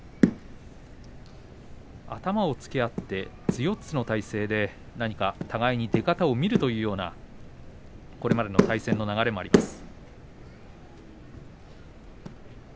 頭をつけ合って頭四つの体勢で、互いに出方を見るというようなこれまでの対戦の流れがあります。